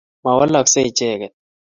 Ma walaksei icheget